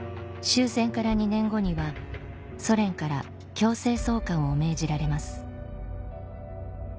終戦から２年後にはソ連から強制送還を命じられます